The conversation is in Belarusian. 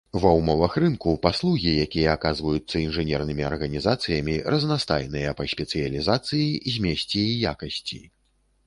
Ва ўмовах рынку, паслугі, якія аказваюцца інжынернымі арганізацыямі разнастайныя па спецыялізацыі, змесце і якасці.